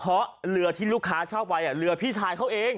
เพราะเรือที่ลูกค้าชอบไว้เรือพี่ชายเขาเอง